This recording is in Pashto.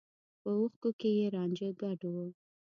په اوښکو کې يې رانجه ګډ و.